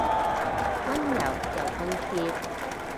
溫柔又親切